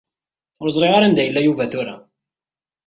Ur ẓriɣ ara anda yella Yuba tura.